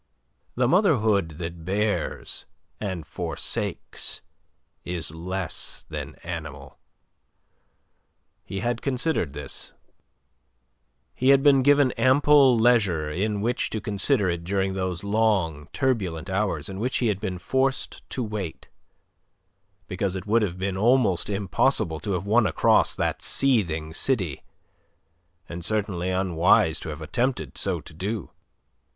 The motherhood that bears and forsakes is less than animal. He had considered this; he had been given ample leisure in which to consider it during those long, turbulent hours in which he had been forced to wait, because it would have been almost impossible to have won across that seething city, and certainly unwise to have attempted so to do.